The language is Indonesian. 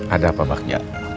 ada apa pak nya